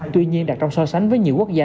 tuy nhiên đặc trọng so sánh với nhiều quốc gia